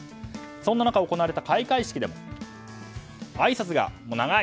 そんな中行われた開会式でもあいさつが長い！